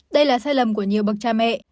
đây là sai lầm của nhiều bậc cha mẹ